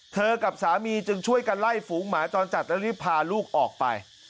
กับสามีจึงช่วยกันไล่ฝูงหมาจรจัดแล้วรีบพาลูกออกไป